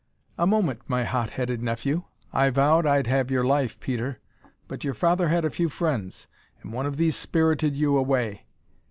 "A moment, my hot headed nephew. I vowed I'd have your life, Peter, but your father had a few friends and one of these spirited you away.